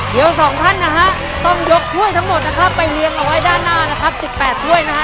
เดี๋ยวสองท่านนะฮะต้องยกถ้วยทั้งหมดนะครับไปเรียงเอาไว้ด้านหน้านะครับ๑๘ถ้วยนะฮะ